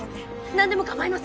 何でも構いません。